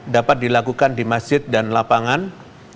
dapat dilakukan di masjid dan lapangan